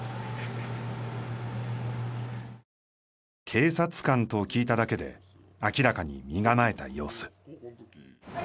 「警察官」と聞いただけで明らかに身構えた様子。